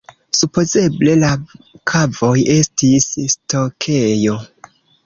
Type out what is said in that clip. Supozeble la kavoj estis stokejo.